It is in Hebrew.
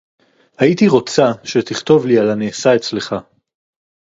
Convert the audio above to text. הָיִיתִי רוֹצָה שֶׁתִּכָּתֵב לִי עַל הַנַּעֲשֶׂה אֶצְלְךָ.